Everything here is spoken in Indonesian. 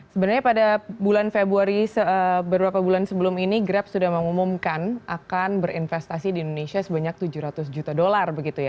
sebenarnya pada bulan februari beberapa bulan sebelum ini grab sudah mengumumkan akan berinvestasi di indonesia sebanyak tujuh ratus juta dolar begitu ya